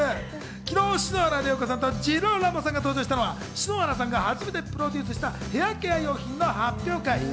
昨日、昨日、篠原涼子さんとジローラモさんが登場したのは篠原さんが初めてプロデュースしたヘアケア用品の発表会。